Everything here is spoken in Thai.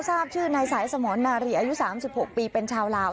ทราบชื่อนายสายสมรนารีอายุ๓๖ปีเป็นชาวลาว